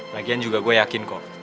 lagian juga gue yakin kok